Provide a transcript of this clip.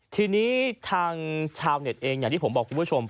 ทีนี้ทางชาวเน็ตเองอย่างที่ผมบอกคุณผู้ชม